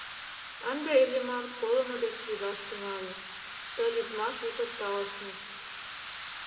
Ынде Иллимар колымо деч лӱдаш тӱҥале, ты лӱдмаш утыр талышныш.